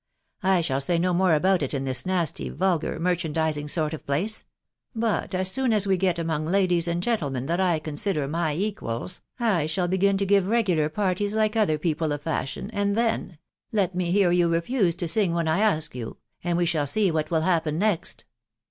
I shall say no more about it in this natty, vulgar, merchandising sort of a place; hut as soon as we get among ladies and gentlemen that I consider my equals, I shall begin to give regular parties like other people of fashion, sad then .... let me hear you refuse to sing when I ask yon. •••• and we shall see what will happen next."